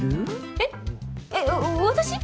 えっえっ私？